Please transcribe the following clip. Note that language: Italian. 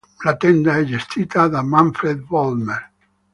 La tenda è gestita da Manfred Vollmer.